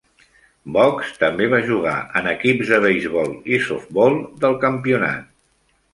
Box també va jugar en equips de beisbol i softball del campionat.